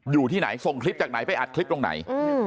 อยู่ที่ไหนส่งคลิปจากไหนไปอัดคลิปตรงไหน